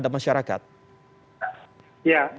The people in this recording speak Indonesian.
untuk vaksinasi tracing maupun testing terhadap masyarakat